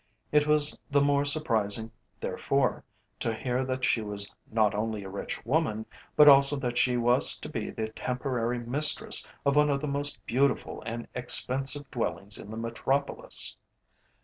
It was the more surprising, therefore, to hear that she was not only a rich woman, but also that she was to be the temporary mistress of one of the most beautiful and expensive dwellings in the Metropolis.